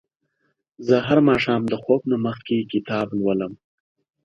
زه هر ماښام د خوب نه مخکې کتاب لولم.